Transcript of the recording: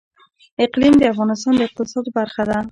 اقلیم د افغانستان د اقتصاد برخه ده.